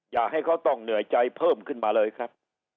อย่าให้เขาต้องเหนื่อยใจเพิ่มขึ้นมาเลยครับ